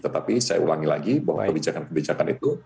tetapi saya ulangi lagi bahwa kebijakan kebijakan itu